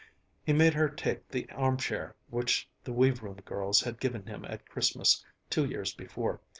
He made her take the armchair which the weave room girls had given him at Christmas two years before.